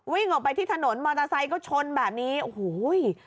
วิ่งออกไปที่ถนนมอเตอร์ไซค์ก็ชนแบบนี้โอ้โห